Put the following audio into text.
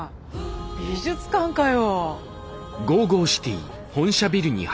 美術館かよ。